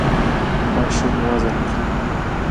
ماشوم مو وزن اخلي؟